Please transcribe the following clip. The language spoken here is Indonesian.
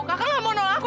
kakak gak mau nol aku